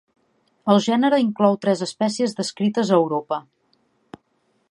El gènere inclou tres espècies descrites a Europa.